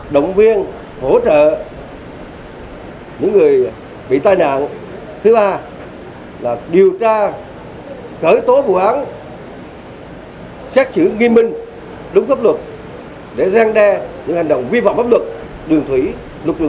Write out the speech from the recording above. động viên hỗ trợ những người bị tai nạn thứ ba là điều tra khởi tố vụ án xét chữ nghi minh đúng pháp luật để gian đe những hành động vi vọng pháp luật lực lượng thủy nghiêm trọng xảy ra ở vụ nạn